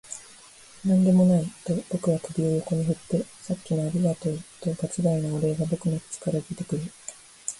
「何でもない」と僕は首を横に振って、「さっきのありがとう」と場違いなお礼が僕の口から出てくる